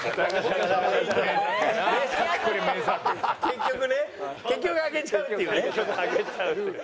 結局ね結局あげちゃうっていうね。